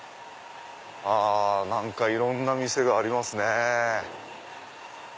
あ何かいろんな店がありますね。